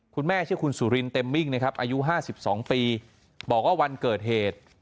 คุณแม่ชื่อคุณสุรินเต็มมิ่งนะครับอายุ๕๒ปีบอกว่าวันเกิดเหตุ